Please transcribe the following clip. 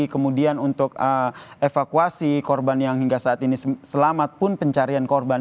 kemudian untuk evakuasi korban yang hingga saat ini selamat pun pencarian korban